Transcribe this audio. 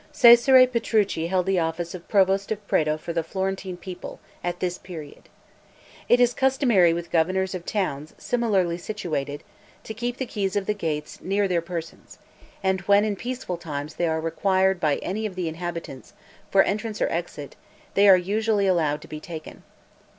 Cesare Petrucci held the office of Provost of Prato for the Florentine people, at this period. It is customary with governors of towns, similarly situated, to keep the keys of the gates near their persons; and whenever, in peaceful times, they are required by any of the inhabitants, for entrance or exit, they are usually allowed to be taken.